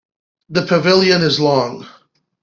The pavilion is long.